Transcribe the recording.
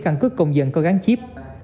căn cứ công dân có gắn chip